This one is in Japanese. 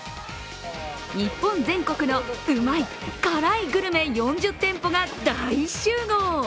日本全国のうまい、辛いグルメ４０店舗が大集合。